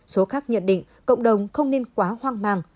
số khác nhận định cộng đồng không nên quá hoang mang